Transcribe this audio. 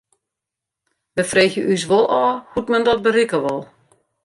We freegje ús wol ôf hoe't men dat berikke wol.